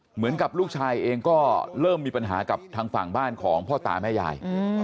เหมือนกับลูกชายเองก็เริ่มมีปัญหากับทางฝั่งบ้านของพ่อตาแม่ยาย